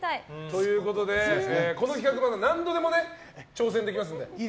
この企画また何度でも挑戦できますので。